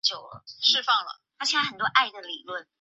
谢涵是广平省广泽府宣政县顺示总罗河社出生。